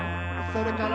「それから」